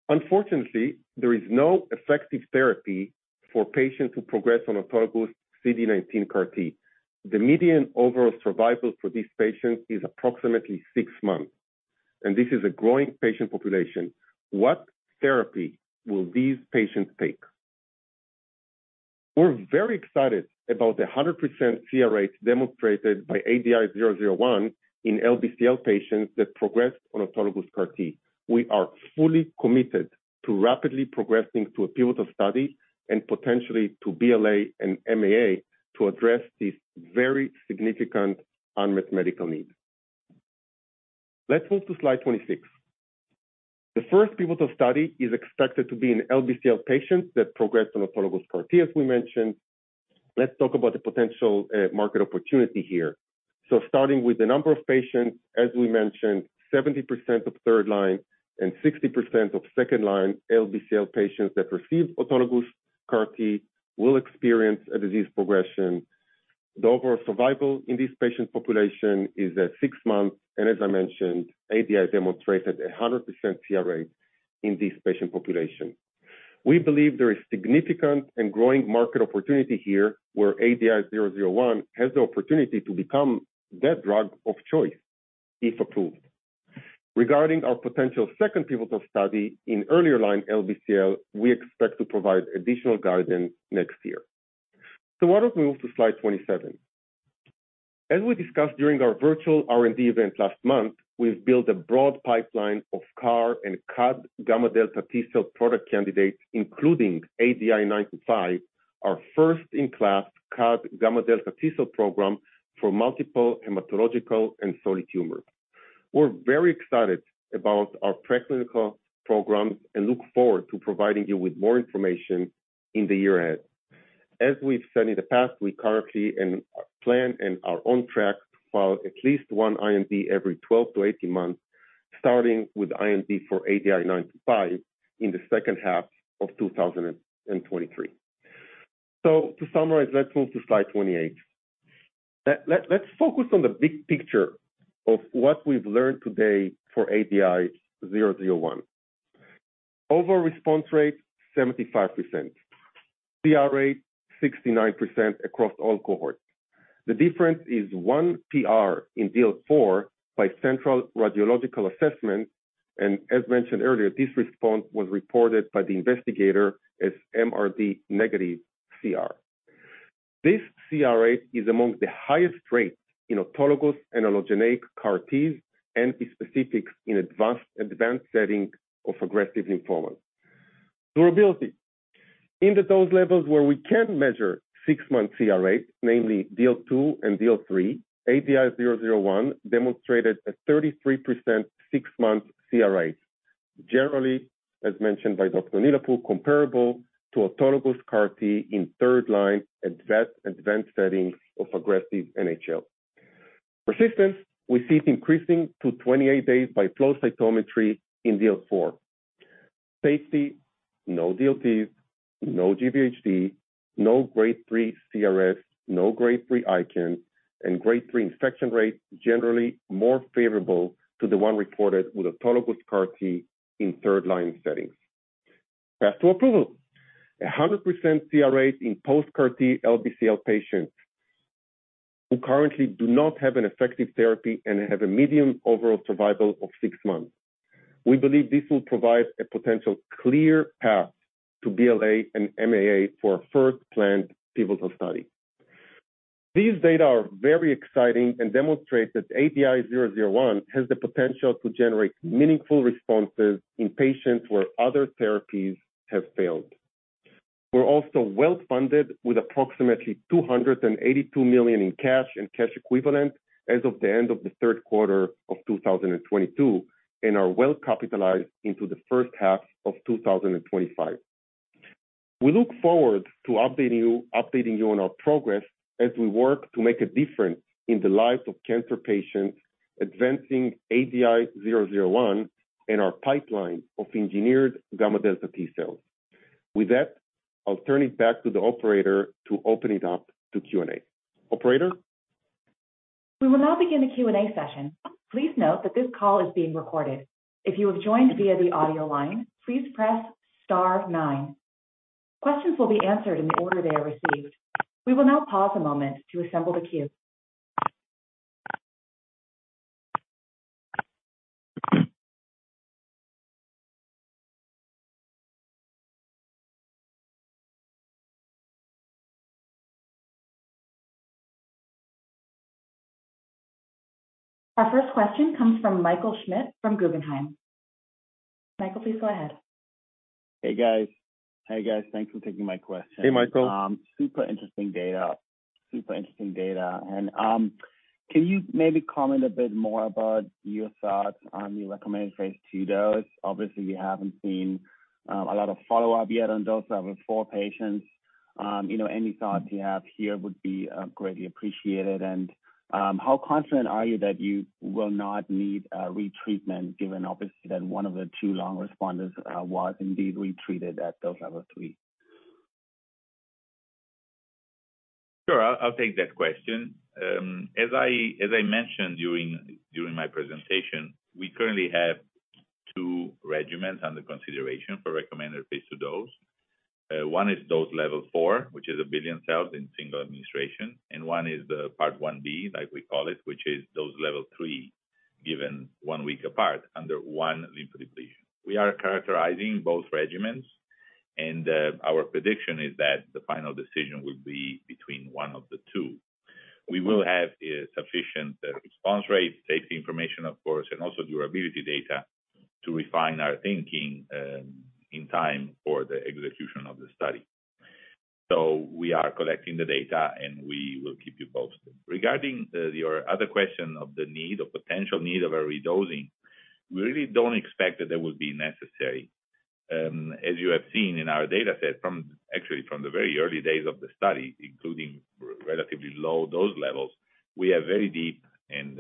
[SPEAKER 3] Unfortunately, there is no effective therapy for patients who progress on autologous CD19 CAR T. The median overall survival for these patients is approximately six months, and this is a growing patient population. What therapy will these patients take? We're very excited about the 100% CR rate demonstrated by ADI-001 in LBCL patients that progressed on autologous CAR T. We are fully committed to rapidly progressing to a pivotal study and potentially to BLA and MAA to address these very significant unmet medical needs. Let's move to slide 26. The first pivotal study is expected to be in LBCL patients that progressed on autologous CAR T, as we mentioned. Let's talk about the potential market opportunity here. Starting with the number of patients, as we mentioned, 70% of third-line and 60% of second-line LBCL patients that receive autologous CAR T will experience a disease progression. The overall survival in this patient population is at six months. As I mentioned, ADI demonstrated a 100% CR rate in this patient population. We believe there is significant and growing market opportunity here where ADI-001 has the opportunity to become that drug of choice if approved. Regarding our potential second pivotal study in earlier line LBCL, we expect to provide additional guidance next year. Why don't we move to slide 27. As we discussed during our virtual R&D event last month, we've built a broad pipeline of CAR and CAD gamma delta T-cell product candidates, including ADI-925, our first-in-class CAD gamma delta T-cell program for multiple hematological and solid tumors. We're very excited about our preclinical programs and look forward to providing you with more information in the year ahead. As we've said in the past, we currently plan and are on track to file at least one IND every 12-18 months, starting with IND for ADI-925 in the second half of 2023. To summarize, let's move to slide 28. Let's focus on the big picture of what we've learned today for ADI-001. Overall response rate, 75%. CR rate, 69% across all cohorts. The difference is one PR in dose four by central radiological assessment, and as mentioned earlier, this response was reported by the investigator as MRD negative CR. This CR rate is among the highest rates in autologous and allogeneic CAR Ts and is specific in advanced setting of aggressive lymphoma. Durability. In the dose levels where we can measure six-month CR rates, namely dose two and dose three, ADI-001 demonstrated a 33% six-month CR rate. Generally, as mentioned by Dr. Neelapu, comparable to autologous CAR T in third line advanced settings of aggressive NHL. Persistence. We see it increasing to 28 days by flow cytometry in dose four. Safety. No DLTs, no GvHD, no grade three CRS, no grade three ICANS, and grade three infection rate generally more favorable to the one reported with autologous CAR T in third line settings. Path to approval. A 100% CR rate in post-CAR T LBCL patients who currently do not have an effective therapy and have a median overall survival of six months. We believe this will provide a potential clear path to BLA and MAA for a first-planned pivotal study. These data are very exciting and demonstrate that ADI-001 has the potential to generate meaningful responses in patients where other therapies have failed. We're also well-funded with approximately $282 million in cash and cash equivalent as of the end of the third quarter of 2022 and are well capitalized into the first half of 2025. We look forward to updating you on our progress as we work to make a difference in the lives of cancer patients, advancing ADI-001 in our pipeline of engineered gamma delta T-cells. With that, I'll turn it back to the operator to open it up to Q&A. Operator?
[SPEAKER 1] We will now begin the Q&A session. Please note that this call is being recorded. If you have joined via the audio line, please press star nine. Questions will be answered in the order they are received. We will now pause a moment to assemble the queue. Our first question comes from Michael Schmidt from Guggenheim. Michael, please go ahead.
[SPEAKER 6] Hey, guys. Thanks for taking my question.
[SPEAKER 3] Hey, Michael.
[SPEAKER 6] Super interesting data. Super interesting data. Can you maybe comment a bit more about your thoughts on your recommended phase II dose? Obviously, we haven't seen a lot of follow-up yet on dose level four patients. You know, any thoughts you have here would be greatly appreciated. How confident are you that you will not need a retreatment given obviously that one of the two long responders was indeed retreated at dose level three?
[SPEAKER 4] Sure. I'll take that question. As I mentioned during my presentation, we currently have two regimens under consideration for recommended phase II dose. One is dose level four, which is 1 billion cells in single administration, and one is the part 1b, like we call it, which is dose level three, given one week apart under one lymphodepletion. We are characterizing both regimens, and our prediction is that the final decision will be between one of the two. We will have sufficient response rates, safety information, of course, and also durability data to refine our thinking in time for the execution of the study. We are collecting the data, and we will keep you posted. Regarding your other question of the need or potential need of a redosing, we really don't expect that would be necessary. As you have seen in our data set from... actually from the very early days of the study, including relatively low dose levels, we have very deep and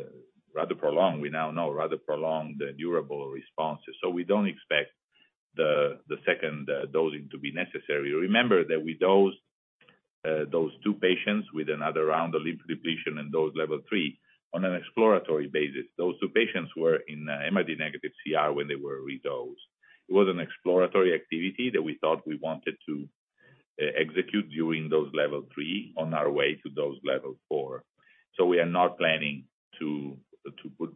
[SPEAKER 4] rather prolonged, we now know, rather prolonged durable responses. We don't expect the second dosing to be necessary. Remember that we dosed those two patients with another round of lymphodepletion in dose level three on an exploratory basis. Those two patients were in MRD negative CR when they were redosed. It was an exploratory activity that we thought we wanted to execute during dose level three on our way to dose level four. We are not planning to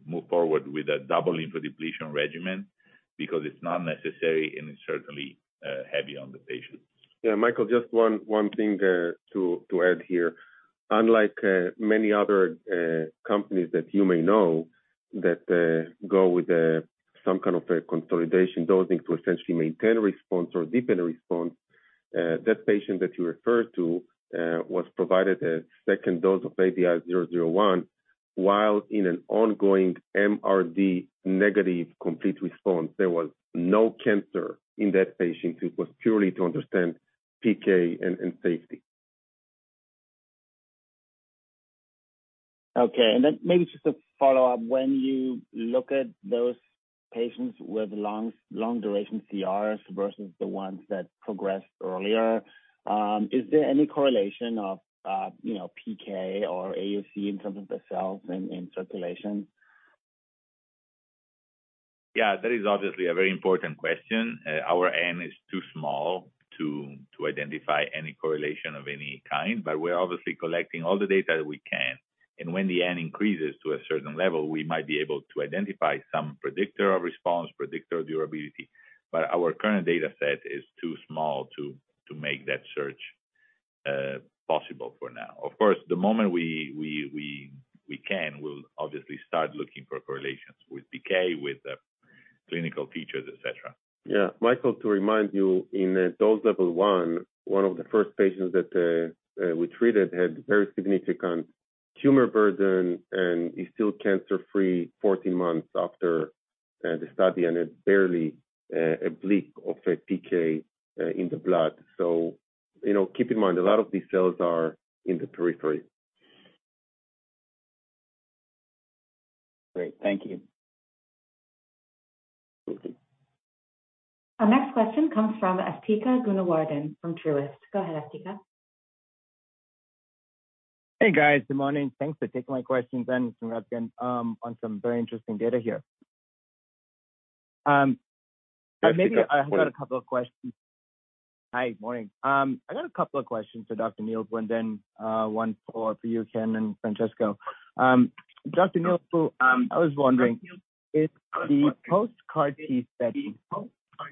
[SPEAKER 4] move forward with a double lymphodepletion regimen because it's not necessary and it's certainly heavy on the patients.
[SPEAKER 3] Yeah, Michael, just one thing to add here. Unlike many other companies that you may know that go with some kind of a consolidation dosing to essentially maintain a response or deepen a response, that patient that you referred to was provided a second dose of ADI-001. While in an ongoing MRD negative complete response, there was no cancer in that patient. It was purely to understand PK and safety.
[SPEAKER 6] Okay. Maybe just a follow-up. When you look at those patients with long duration CRs versus the ones that progressed earlier, is there any correlation of, you know, PK or AUC in terms of the cells in circulation?
[SPEAKER 4] That is obviously a very important question. Our N is too small to identify any correlation of any kind, but we're obviously collecting all the data that we can, and when the N increases to a certain level, we might be able to identify some predictor of response, predictor of durability. Our current dataset is too small to make that search possible for now. Of course, the moment we can, we'll obviously start looking for correlations with PK, with clinical features, et cetera.
[SPEAKER 3] Yeah. Michael, to remind you, in dose level one, one of the first patients that we treated had very significant tumor burden and is still cancer-free 14 months after the study, and had barely a bleak of a PK in the blood. You know, keep in mind, a lot of these cells are in the periphery.
[SPEAKER 6] Great. Thank you.
[SPEAKER 4] Thank you.
[SPEAKER 1] Our next question comes from Asthika Goonewardene from Truist. Go ahead, Asthika.
[SPEAKER 7] Hey, guys. Good morning. Thanks for taking my questions, Chen and Francesco, on some very interesting data here. Maybe I have got a couple of questions. Hi. Morning. I got a couple of questions for Dr. Neelapu, and then, one for you, Chen and Francesco. Dr. Neelapu, I was wondering, if the post-CAR T setting,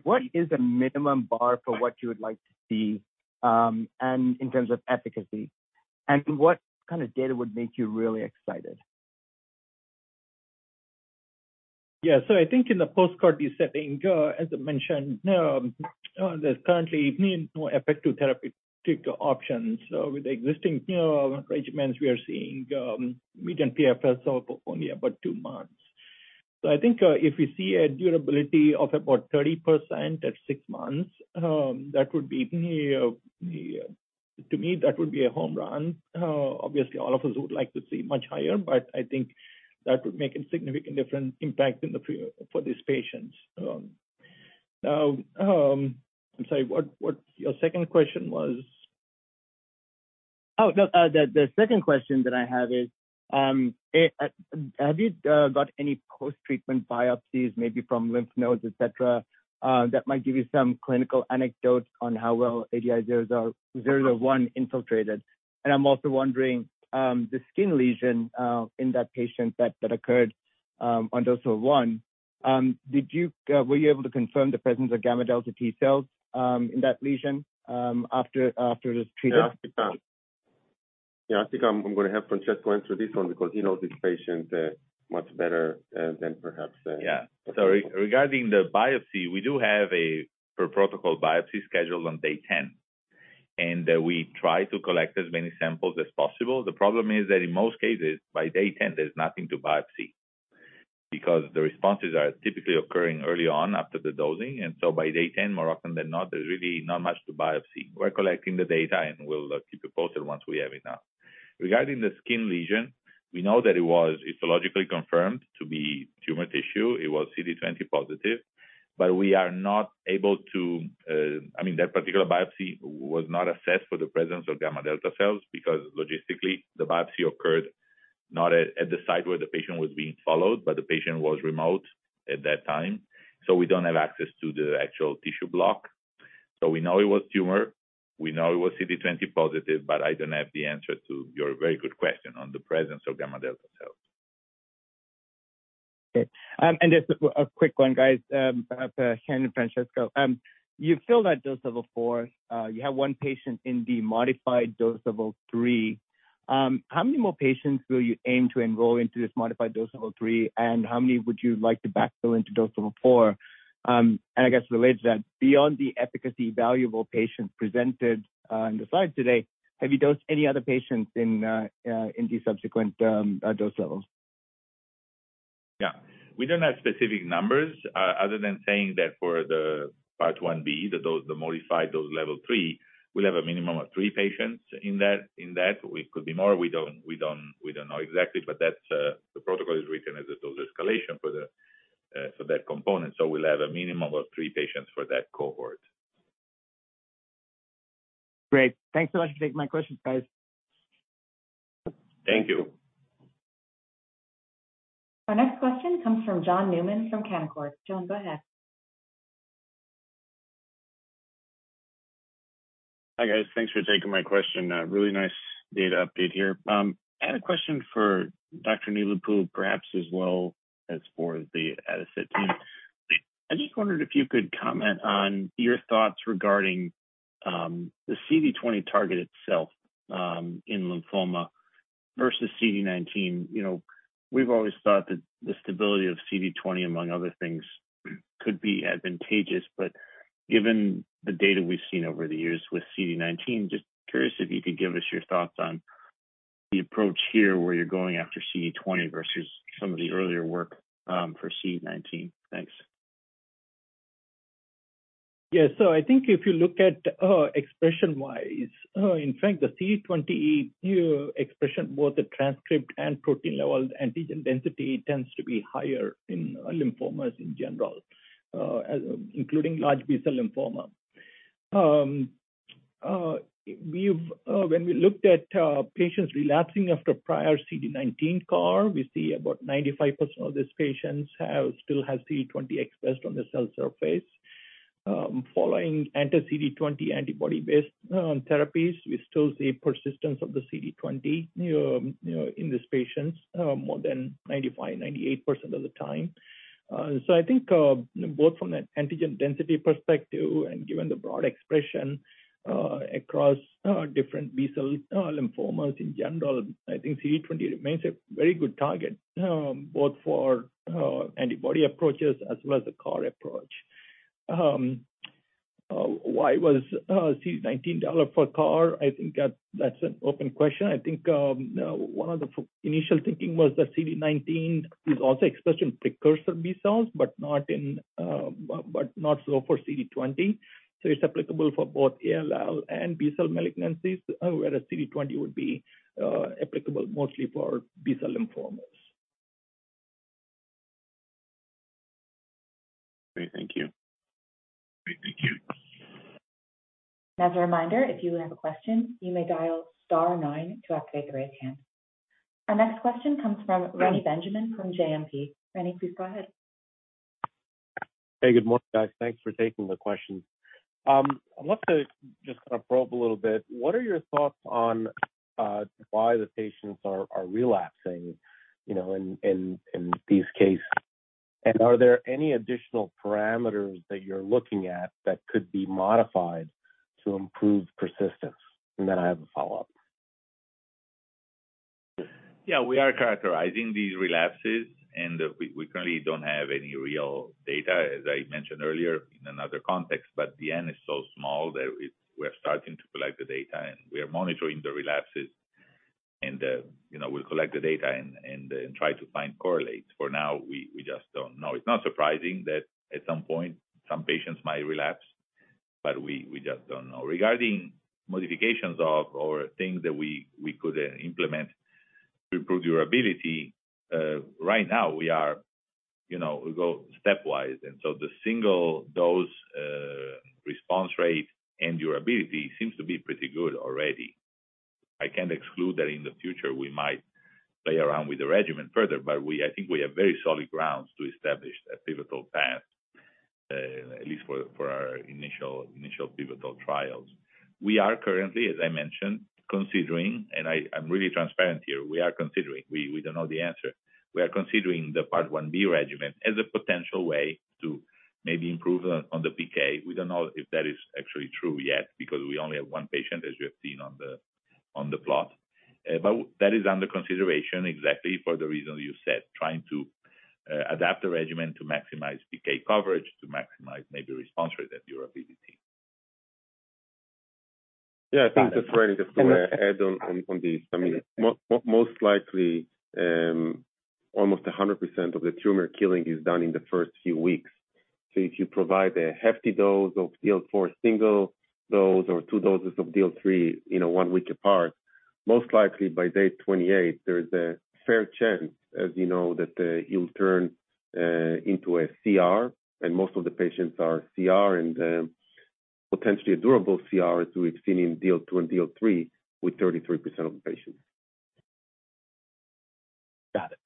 [SPEAKER 7] what is the minimum bar for what you would like to see, and in terms of efficacy? What kind of data would make you really excited?
[SPEAKER 5] Yeah. I think in the post-CAR T setting, as I mentioned, there's currently no effective therapeutic options. With existing, you know, regimens, we are seeing median PFS of only about two months. I think if we see a durability of about 30% at six months, that would be, to me, that would be a home run. Obviously, all of us would like to see much higher, but I think that would make a significant different impact for these patients. Now, I'm sorry, what your second question was?
[SPEAKER 7] The second question that I have is, have you got any post-treatment biopsies, maybe from lymph nodes, et cetera, that might give you some clinical anecdotes on how well ADI-001 infiltrated? I'm also wondering, the skin lesion in that patient that occurred on dose one, Were you able to confirm the presence of gamma delta T-cells in that lesion after it was treated?
[SPEAKER 3] Yeah. Yeah. I think I'm gonna have Francesco answer this one because he knows this patient, much better, than perhaps.
[SPEAKER 4] Yeah. Regarding the biopsy, we do have a per protocol biopsy scheduled on day 10, and we try to collect as many samples as possible. The problem is that in most cases, by day 10, there's nothing to biopsy because the responses are typically occurring early on after the dosing. By day 10, more often than not, there's really not much to biopsy. We're collecting the data, and we'll keep you posted once we have enough. Regarding the skin lesion, we know that it was histologically confirmed to be tumor tissue. It was CD20 positive. We are not able to... I mean, that particular biopsy was not assessed for the presence of gamma delta cells because logistically, the biopsy occurred not at the site where the patient was being followed, but the patient was remote at that time. We don't have access to the actual tissue block. We know it was tumor, we know it was CD20 positive. I don't have the answer to your very good question on the presence of gamma delta cells.
[SPEAKER 7] Okay. Just a quick one, guys, Chen and Francesco. You filled at dose level four. You have one patient in the modified dose level three. How many more patients will you aim to enroll into this modified dose level three, and how many would you like to backfill into dose level four? I guess related to that, beyond the efficacy evaluable patient presented in the slide today, have you dosed any other patients in the subsequent dose levels?
[SPEAKER 4] Yeah. We don't have specific numbers, other than saying that for the part 1b, the modified dose level three, we'll have a minimum of three patients in that. We could be more. We don't know exactly, but that's the protocol is written as a dose escalation for that component. We'll have a minimum of three patients for that cohort.
[SPEAKER 7] Great. Thanks so much for taking my questions, guys.
[SPEAKER 4] Thank you.
[SPEAKER 1] Our next question comes from John Newman from Canaccord. John, go ahead.
[SPEAKER 8] Hi, guys. Thanks for taking my question. really nice data update here. I had a question for Dr. Neelapu, perhaps as well as for the Adicet team. I just wondered if you could comment on your thoughts regarding the CD20 target itself in lymphoma versus CD19. You know, we've always thought that the stability of CD20, among other things, could be advantageous. Given the data we've seen over the years with CD19, just curious if you could give us your thoughts on the approach here where you're going after CD20 versus some of the earlier work for CD19. Thanks.
[SPEAKER 5] I think if you look at expression-wise, in fact, the CD20 expression, both the transcript and protein levels, antigen density tends to be higher in lymphomas in general, including large B-cell lymphoma. When we looked at patients relapsing after prior CD19 CAR, we see about 95% of these patients have, still have CD20 expressed on the cell surface. Following anti-CD20 antibody-based therapies, we still see persistence of the CD20, you know, in these patients, more than 95%-98% of the time. I think both from an antigen density perspective and given the broad expression, across different B-cell lymphomas in general, I think CD20 remains a very good target, both for antibody approaches as well as the CAR approach. Why was CD19 dollar for CAR? I think that's an open question. I think, one of the initial thinking was that CD19 is also expressed in precursor B cells, but not in, but not so for CD20. It's applicable for both ALL and B-cell malignancies, whereas CD20 would be applicable mostly for B-cell lymphomas.
[SPEAKER 8] Okay. Thank you. Okay. Thank you.
[SPEAKER 1] A reminder, if you have a question, you may dial star nine to activate the raise hand. Our next question comes from Reni Benjamin from JMP. Reni, please go ahead.
[SPEAKER 9] Hey, good morning, guys. Thanks for taking the questions. I'd love to just kind of probe a little bit. What are your thoughts on why the patients are relapsing, you know, in these cases? Are there any additional parameters that you're looking at that could be modified to improve persistence? I have a follow-up.
[SPEAKER 4] Yeah, we are characterizing these relapses, and we currently don't have any real data, as I mentioned earlier in another context. The N is so small that we're starting to collect the data, and we are monitoring the relapses and, you know, we'll collect the data and try to find correlates. For now, we just don't know. It's not surprising that at some point some patients might relapse, but we just don't know. Regarding modifications or things that we could implement to improve durability, right now we are, you know, we go stepwise, the single-dose response rate and durability seems to be pretty good already. I can't exclude that in the future we might play around with the regimen further, but I think we have very solid grounds to establish a pivotal path, at least for our initial pivotal trials. We are currently, as I mentioned, considering, and I'm really transparent here, we are considering. We don't know the answer. We are considering the part 1b regimen as a potential way to maybe improve on the PK. We don't know if that is actually true yet because we only have one patient, as you have seen on the plot. That is under consideration exactly for the reason you said, trying to adapt the regimen to maximize PK coverage, to maximize maybe response rate and durability.
[SPEAKER 5] I think just want to add on this. I mean, most likely, almost 100% of the tumor killing is done in the first few weeks. If you provide a hefty dose of DL4 single dose or two doses of DL3, you know, one week apart, most likely by day 28, there is a fair chance, as you know, that you'll turn into a CR, and most of the patients are CR and potentially a durable CR as we've seen in DL2 and DL3 with 33% of the patients.
[SPEAKER 9] Got it.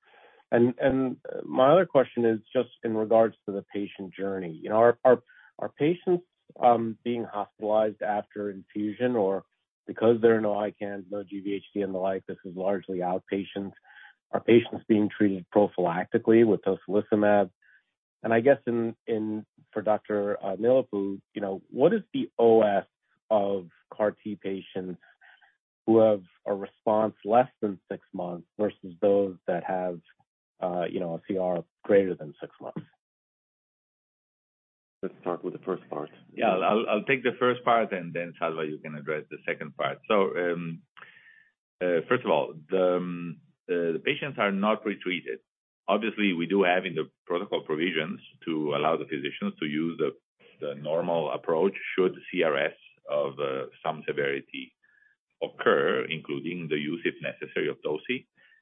[SPEAKER 9] My other question is just in regards to the patient journey. You know, are patients being hospitalized after infusion or because there are no ICANS, no GvHD and the like, this is largely outpatients. Are patients being treated prophylactically with tocilizumab? I guess for Dr. Neelapu, you know, what is the OS of CAR T patients who have a response less than six months versus those that have, you know, a CR greater than six months?
[SPEAKER 3] Let's start with the first part.
[SPEAKER 4] Yeah. I'll take the first part, and then Sattva, you can address the second part. First of all, the patients are not pre-treated. Obviously, we do have in the protocol provisions to allow the physicians to use the normal approach should CRS of some severity occur, including the use, if necessary, of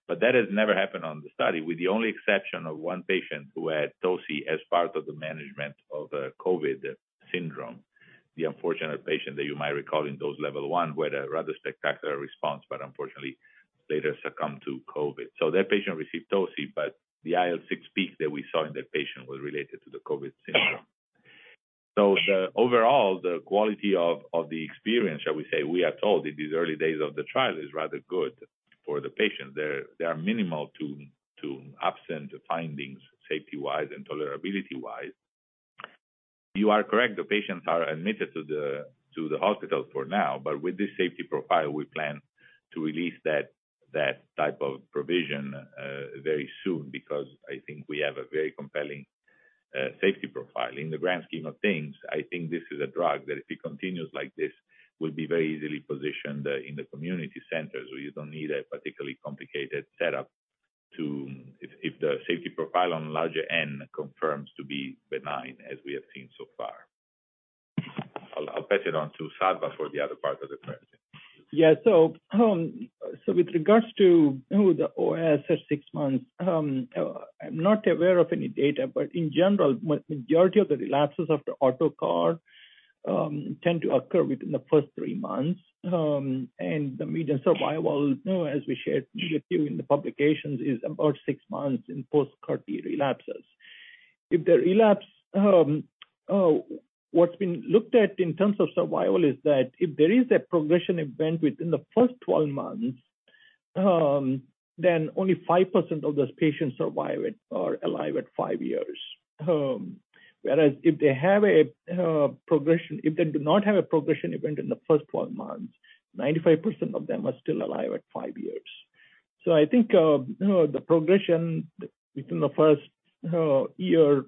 [SPEAKER 4] toci. That has never happened on the study, with the only exception of one patient who had toci as part of the management of COVID syndrome. The unfortunate patient that you might recall in dose level one who had a rather spectacular response, but unfortunately later succumbed to COVID. That patient received toci, but the IL-6 peak that we saw in that patient was related to the COVID syndrome. The overall quality of the experience, shall we say, we are told in these early days of the trial, is rather good for the patients. There are minimal to absent findings safety-wise and tolerability-wise. You are correct, the patients are admitted to the hospital for now. With this safety profile, we plan to release that type of provision very soon because I think we have a very compelling safety profile. In the grand scheme of things, I think this is a drug that if it continues like this, will be very easily positioned in the community centers, where you don't need a particularly complicated setup. If the safety profile on larger N confirms to be benign as we have seen so far. I'll pass it on to Sattva for the other part of the question.
[SPEAKER 5] With regards to, you know, the OS at six months, I'm not aware of any data, but in general, majority of the relapses of the auto CAR tend to occur within the first three months. And the median survival, you know, as we shared with you in the publications, is about six months in post-CAR T relapses. If the relapse, what's been looked at in terms of survival is that if there is a progression event within the first 12 months, then only 5% of those patients survive it or alive at five years. Whereas if they do not have a progression event in the first 12 months, 95% of them are still alive at five years. I think, you know, the progression within the first year,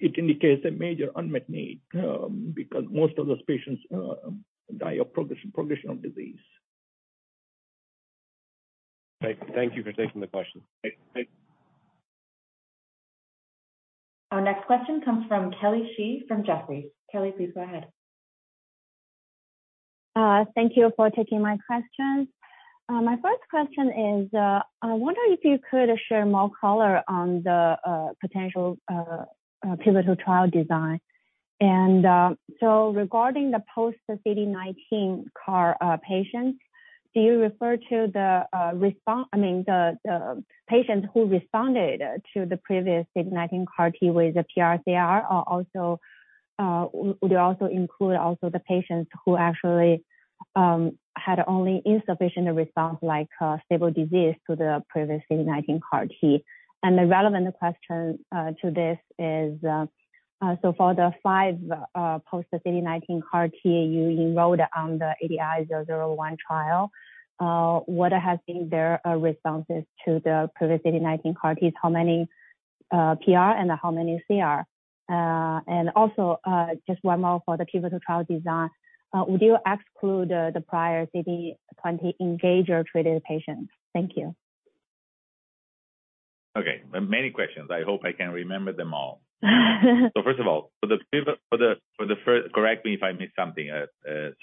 [SPEAKER 5] it indicates a major unmet need, because most of those patients die of progression of disease.
[SPEAKER 9] Great. Thank you for taking the question.
[SPEAKER 5] Thank- thank-
[SPEAKER 1] Our next question comes from Kelly Shi from Jefferies. Kelly, please go ahead.
[SPEAKER 10] Thank you for taking my questions. My first question is, I wonder if you could share more color on the potential pivotal trial design. Regarding the post-CD19 CAR patients, do you refer to the respon-- I mean, the patients who responded to the previous CD19 CAR T with the PR/CR are also, would you also include also the patients who actually had only insufficient response like stable disease to the previous CD19 CAR T? The relevant question to this is for the five post CD19 CAR T you enrolled on the ADI-001 trial, what has been their responses to the previous CD19 CAR T? How many PR and how many CR? Also, just one more for the pivotal trial design. Would you exclude the prior CD20 engaged or treated patients? Thank you.
[SPEAKER 4] Okay. Many questions. I hope I can remember them all. First of all, for the first. Correct me if I miss something.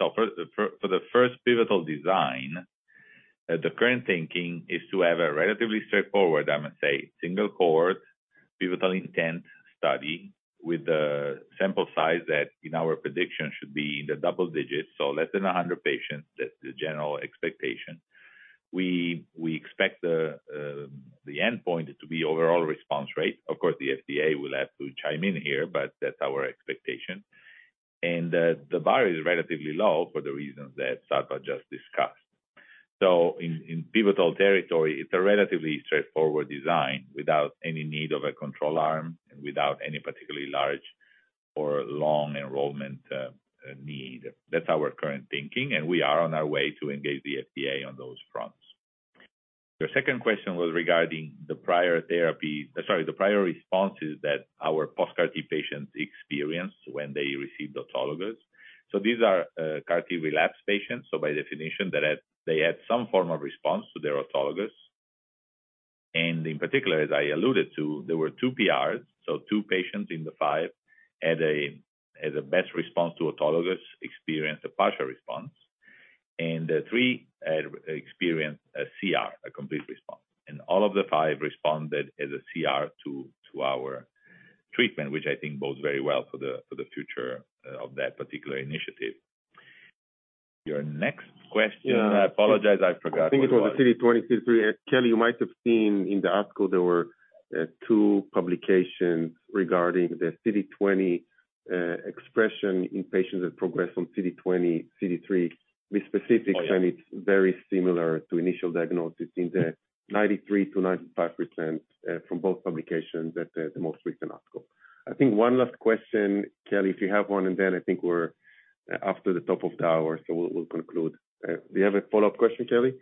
[SPEAKER 4] First, for the first pivotal design, the current thinking is to have a relatively straightforward, I must say, single-cohort pivotal intent study with a sample size that in our prediction should be in the double digits, so less than 100 patients. That's the general expectation. We expect the endpoint to be overall response rate. Of course, the FDA will have to chime in here, but that's our expectation. The bar is relatively low for the reasons that Sattva just discussed. In pivotal territory, it's a relatively straightforward design without any need of a control arm and without any particularly large or long enrollment need. That's our current thinking, we are on our way to engage the FDA on those fronts. Your second question was regarding the prior therapy, sorry, the prior responses that our post-CAR T patients experienced when they received autologous. These are CAR T relapse patients, so by definition they had some form of response to their autologous. In particular, as I alluded to, there were two PRs. Two patients in the five had a best response to autologous, experienced a partial response. Three had experienced a CR, a complete response. All of the five responded as a CR to our treatment, which I think bodes very well for the future of that particular initiative. Your next question, I apologize, I forgot.
[SPEAKER 5] I think it was the CD20, CD3. Kelly, you might have seen in the ASCO there were two publications regarding the CD20 expression in patients that progressed from CD20, CD3 with.
[SPEAKER 4] Oh, yeah.
[SPEAKER 3] Tenets very similar to initial diagnosis in the 93%-95% from both publications at the most recent ASCO. I think one last question, Kelly, if you have one, and then I think we're after the top of the hour, so we'll conclude. Do you have a follow-up question, Kelly?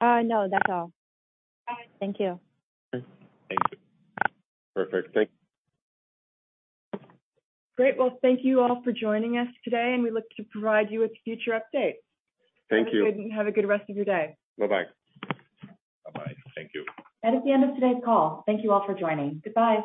[SPEAKER 10] No, that's all. Thank you.
[SPEAKER 4] Okay. Thank you.
[SPEAKER 3] Perfect. Thank you.
[SPEAKER 2] Great. Well, thank you all for joining us today, and we look to provide you with future updates.
[SPEAKER 4] Thank you.
[SPEAKER 2] Have a good rest of your day.
[SPEAKER 4] Bye-bye.
[SPEAKER 3] Bye-bye. Thank you.
[SPEAKER 1] That is the end of today's call. Thank you all for joining. Goodbye.